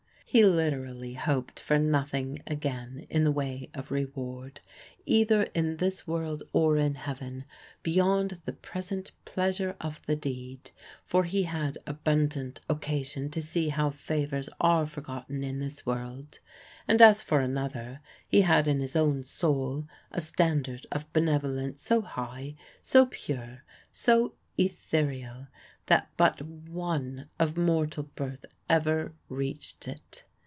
He literally hoped for nothing again in the way of reward, either in this world or in heaven, beyond the present pleasure of the deed; for he had abundant occasion to see how favors are forgotten in this world; and as for another, he had in his own soul a standard of benevolence so high, so pure, so ethereal, that but One of mortal birth ever reached it.